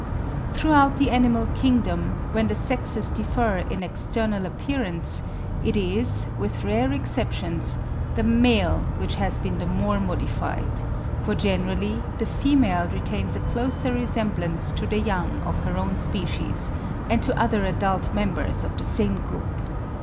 Throughout the animal kingdom, when the sexes differ in external appearance, it is, with rare exceptions, the male which has been the more modified; for, generally, the female retains a closer resemblance to the young of her own species, and to other adult members of the same group.